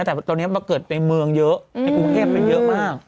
แต่ตอนนี้มาเกิดในเมืองเยอะในกรุงเทพมันเยอะมาก